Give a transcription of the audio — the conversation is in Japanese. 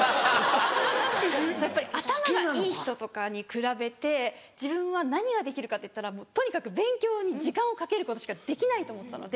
やっぱり頭がいい人とかに比べて自分は何ができるかっていったらとにかく勉強に時間をかけることしかできないと思ったので。